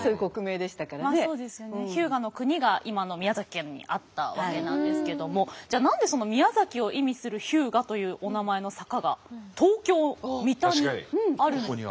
日向国が今の宮崎県にあったわけなんですけどもじゃあ何で宮崎を意味する日向というお名前の坂が東京・三田にあるのか？